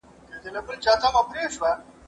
زه پرون انځورونه رسم کوم؟